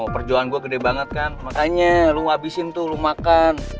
perjohan gue gede banget kan makanya lo abisin tuh lo makan